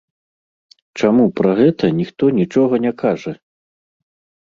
Чаму пра гэта ніхто нічога не кажа?